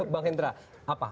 bang hendra apa